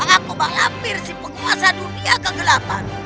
aku bakal hampir si penguasa dunia kegelapan